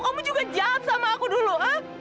kamu juga jahat sama aku dulu kan